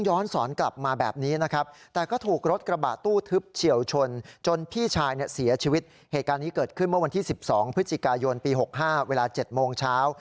เหตุการณ์นี้เกิดขึ้นเมื่อวันที่๑๒พฤศจิกายนปี๖๕เวลา๗โมงเช้า